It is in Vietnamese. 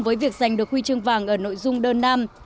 với việc giành được huy chương vàng ở nội dung đơn nam